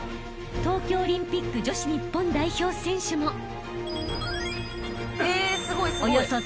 ［東京オリンピック女子日本代表選手も］